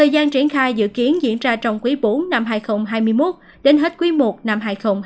việc triển khai dự kiến diễn ra trong quý bốn năm hai nghìn hai mươi một đến hết quý một năm hai nghìn hai mươi hai